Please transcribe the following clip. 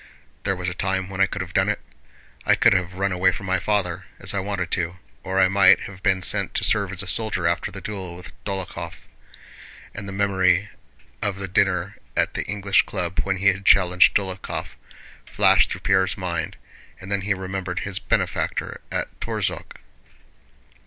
There was a time when I could have done it. I could have run away from my father, as I wanted to. Or I might have been sent to serve as a soldier after the duel with Dólokhov." And the memory of the dinner at the English Club when he had challenged Dólokhov flashed through Pierre's mind, and then he remembered his benefactor at Torzhók.